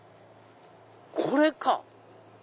これか！